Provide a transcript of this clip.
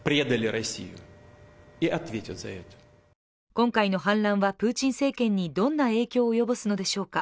今回の反乱はプーチン政権にどんな影響を及ぼすのでしょうか。